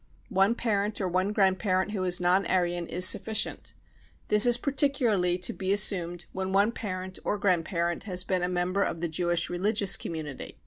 One parent or one grandparent who is non Aryan is sufficient. This is particularly to be assumed when one parent or grandparent has been a member of the Jewish religious community.